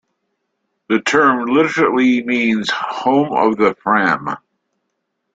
The term literally means "home of the Fram".